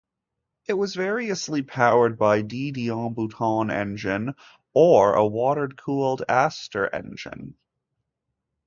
It was variously powered by De Dion-Bouton engine or a water cooled Aster engine.